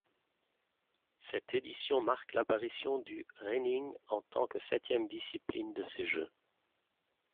Cette édition marque l'apparition du reining en tant que septième discipline de ces jeux.